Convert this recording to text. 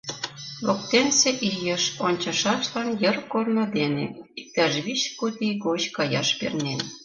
Воктенсе ийыш «ончышашлан йыр корно дене. иктаж вич куд ий гоч каяш пернен.